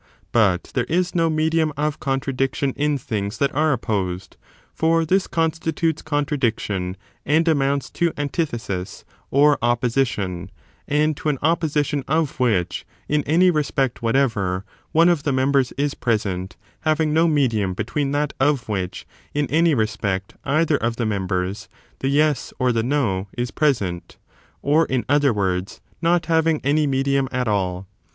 But there is no medium of contradiction in things that are opposed, for this consti tutes contradiction, and amounts to antithesis or opposition ; and to an opposition of which, in any respect whatever, one of the members is present, having no medium ^ between that of which, in any respect, either of the members — the yes or the no— is present, or, in other words, not having any medium at all.